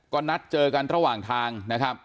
ก็นัดเจอกันระหว่างทาง